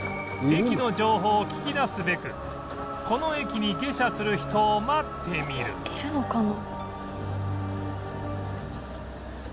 駅の情報を聞き出すべくこの駅に下車する人を待ってみるいるのかな？